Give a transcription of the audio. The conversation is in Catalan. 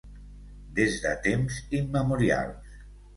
Des de temps immemorials.